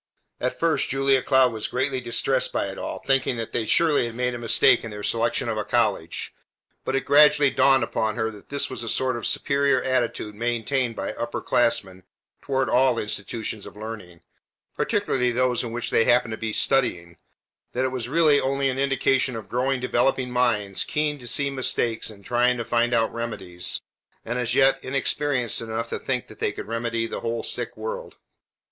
At first Julia Cloud was greatly distressed by it all, thinking that they surely had made a mistake in their selection of a college, but it gradually dawned upon her that this was a sort of superior attitude maintained by upper class men toward all institutions of learning, particularly those in which they happened to be studying, that it was really only an indication of growing developing minds keen to see mistakes and trying to think out remedies, and as yet inexperienced enough to think they could remedy the whole sick world.